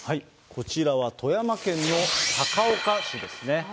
こちらは富山県の高岡市ですね。